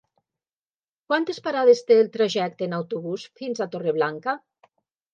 Quantes parades té el trajecte en autobús fins a Torreblanca?